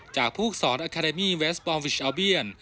จากผู้สอนอคาเดมี่เวสบอลวิชอัลเบียน